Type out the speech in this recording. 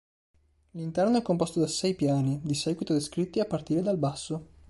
L'interno è composto da sei piani, di seguito descritti a partire dal basso.